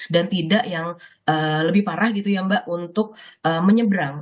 tidak yang lebih parah gitu ya mbak untuk menyeberang